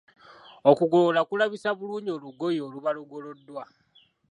Okugolola kulabisa bulungi olugoye oluba lugoloddwa!